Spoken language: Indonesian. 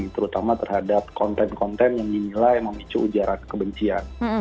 terutama terhadap konten konten yang dinilai memicu ujaran kebencian